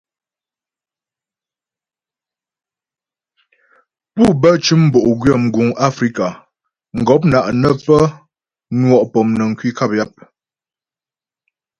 Pú bə cʉm bo'gwyə mguŋ Afrika, mgɔpna' ne pə́ nwɔ' pɔmnəŋ kwi nkap yap.